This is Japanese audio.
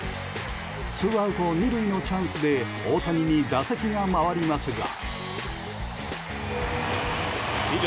ツーアウト２塁のチャンスで大谷に打席が回りますが。